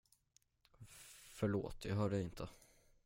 Förlåt, jag hör dig inte.